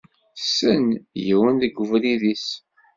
Tessen yiwen deg ubrid-is.